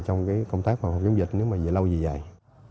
trong cái công tác phòng bệnh dịch nếu mà lâu gì dài